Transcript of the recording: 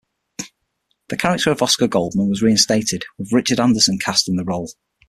The character of Oscar Goldman was reinstated, with Richard Anderson cast in the role.